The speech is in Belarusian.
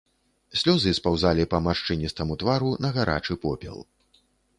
Слёзы спаўзалі па маршчыністаму твару на гарачы попел.